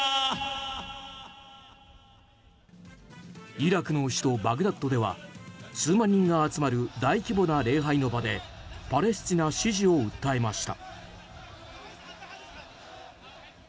イラクの首都バグダッドでは数万人が集まる大規模な礼拝の場でパレスチナ支持を訴えました。